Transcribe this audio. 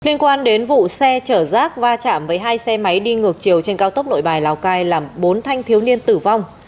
liên quan đến vụ xe chở rác va chạm với hai xe máy đi ngược chiều trên cao tốc nội bài lào cai làm bốn thanh thiếu niên tử vong